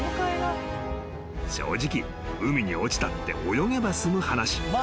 ［正直海に落ちたって泳げば済む話］